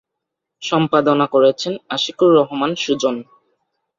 সম্পাদনা করেছেন আশিকুর রহমান সুজন।